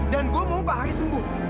dan gue mau pak haris sembuh